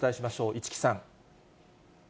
市來さん。